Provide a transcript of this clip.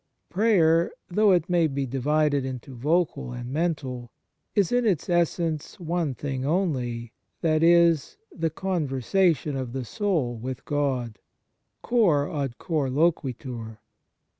Prayer, though it may be divided into vocal and mental, is in its essence one thing only that is, the con versation of the soul with God. Cor ad cor loquitur.